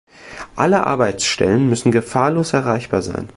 Alle Arbeitsstellen müssen gefahrlos erreichbar sein.